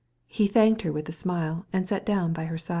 He thanked her by a smile, and sat down beside her.